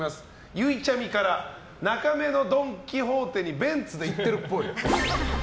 ゆいちゃみから中目黒のドン・キホーテにベンツで行ってるっぽい。